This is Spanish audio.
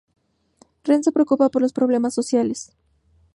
Ren se preocupa por los problemas sociales.